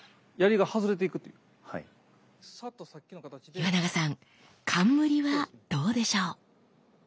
岩永さん冠はどうでしょう？